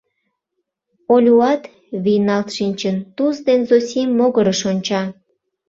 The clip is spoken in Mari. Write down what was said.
Олюат, вийналт шинчын, Туз ден Зосим могырыш онча.